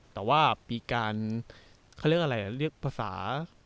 แต่ว่ามีการเขาเรียกอะไรเรียกภาษา